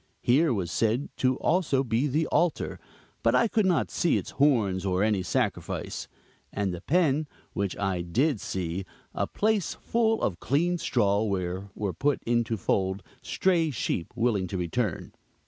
Here was said to be also the altar, but I could not see its horns or any sacrifice; and the pen, which I did see a place full of clean straw, where were put into fold stray sheep willing to return.